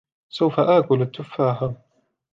سوف آكل التفاحة.